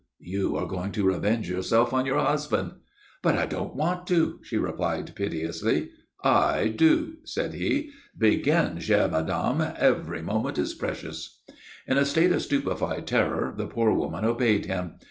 "You are going to revenge yourself on your husband." "But I don't want to," she replied, piteously. "I do," said he. "Begin, chère madame. Every moment is precious." In a state of stupefied terror the poor woman obeyed him.